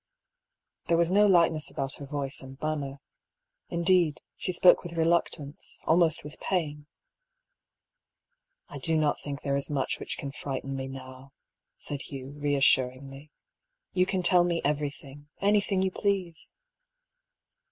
There was no lightness about her voice and man ner. Indeed, she spoke with reluctance, almost with pain. *' I do not think there is much which can frighten me now," said Hugh, reassuringly. " You can tell me everything, anything you please."